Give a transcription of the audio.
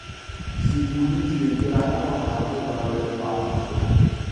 Si pulisce il grano a mano dalle erbacce.